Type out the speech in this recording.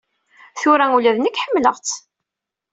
Tura ula d nekk ḥemmleɣ-tt.